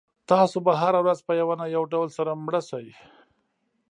تاسو به هره ورځ په یو نه یو ډول سره مړ شئ.